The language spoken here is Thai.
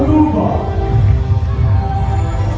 สโลแมคริปราบาล